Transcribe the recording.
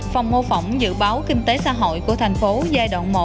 phòng mô phỏng dự báo kinh tế xã hội của thành phố giai đoạn một